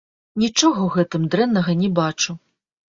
Нічога ў гэтым дрэннага не бачу.